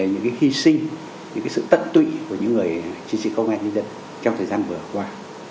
những hy sinh những sự tận tụy của những người chiến sĩ công an nhân dân trong thời gian vừa qua